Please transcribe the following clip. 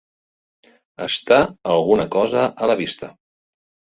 Estar alguna cosa a la vista.